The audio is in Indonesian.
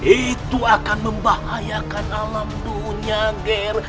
itu akan membahayakan alam dunia ngir